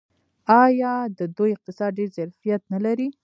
آیا د دوی اقتصاد ډیر ظرفیت نلري؟